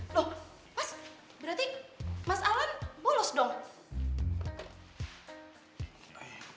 loh mas berarti mas alan bolos dong